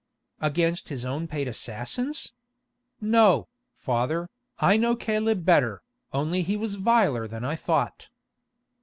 "Against his own paid assassins! No, father, I know Caleb better, only he was viler than I thought."